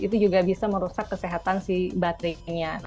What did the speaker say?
itu juga bisa merusak kesehatan si baterainya